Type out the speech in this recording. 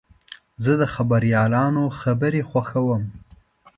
زه د خبریالانو خبرې خوښوم.